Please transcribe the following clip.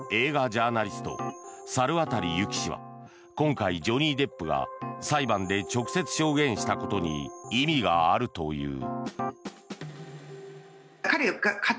ジャーナリスト猿渡由紀氏は今回、ジョニー・デップが裁判で直接証言したことに意味があるという。